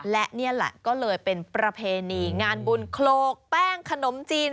และนี่แหละก็เลยเป็นประเพณีงานบุญโคลกแป้งขนมจีน